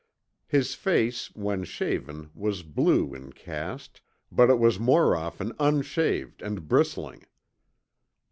His face when shaved was blue in cast, but it was more often unshaved and bristling.